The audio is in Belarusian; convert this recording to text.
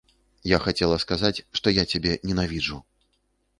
Я хацела сказаць, што я цябе ненавіджу.